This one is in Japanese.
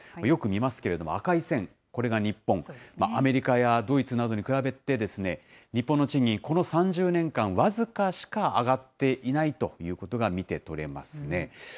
よく見ますけれども、赤い線、これが日本、アメリカやドイツなどに比べて、日本の賃金、この３０年間、僅かしか上がっていないということが、見て取れますね。